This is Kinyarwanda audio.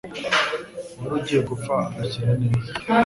uwari ugiye gupfa agakira neza.